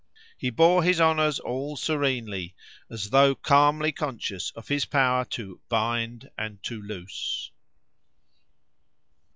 He bore his honours all serenely, as though calmly conscious of his power to "bind and to loose."